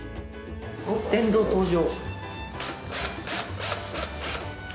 電動登場。